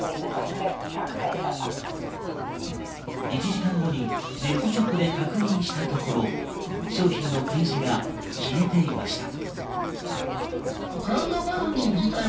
１時間後にネットショップで確認したところ、商品のページが消えていました。